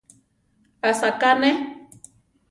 Asaká neʼé.